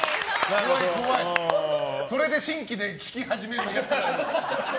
それで新規で聴き始めるやつらが。